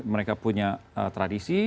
mereka punya tradisi